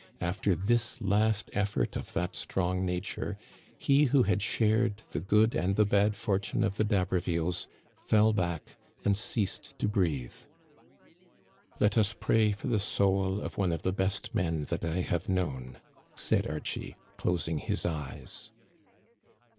After this last effort of that strong nature, he who had shared the good and the bad fortune of the D'Habervilles fell back and ceased to breathe. " Let us pray for the soul of one of the best men that I have known," said Archie, closing his eyes.